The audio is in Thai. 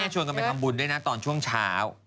ชวนกันไปทำบุญด้วยนะตอนช่วงเช้า